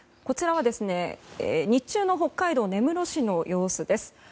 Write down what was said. こちらは日中の北海道根室市の様子です。